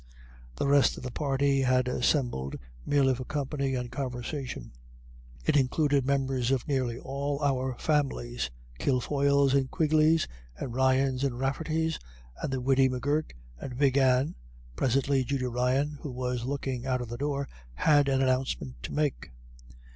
The rest of the party had assembled merely for company and conversation. It included members of nearly all our families Kilfoyles and Quigleys and Ryans and Raffertys and the Widdy M'Gurk and Big Anne. Presently Judy Ryan, who was looking out of the door, had an announcement to make.